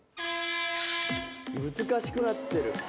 難しくなってる。